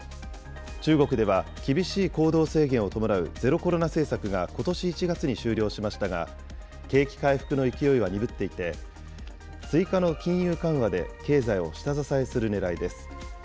中国では、厳しい行動制限を伴うゼロコロナ政策がことし１月に終了しましたが、景気回復の勢いは鈍っていて、追加の金融緩和で経済を下支えするねらいです。